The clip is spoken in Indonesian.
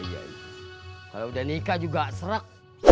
kalau udah nikah juga serak